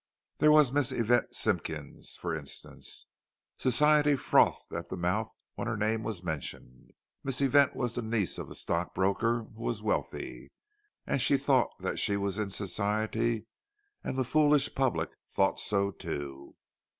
There was Miss Yvette Simpkins, for instance; Society frothed at the mouth when her name was mentioned. Miss Yvette was the niece of a stock broker who was wealthy, and she thought that she was in Society, and the foolish public thought so, too.